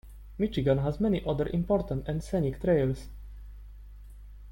Michigan has many other important and scenic trails.